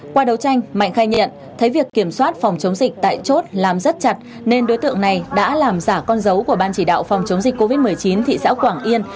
qua đấu tranh mạnh khai nhận thấy việc kiểm soát phòng chống dịch tại chốt làm rất chặt nên đối tượng này đã làm giả con dấu của ban chỉ đạo phòng chống dịch covid một mươi chín thị xã quảng yên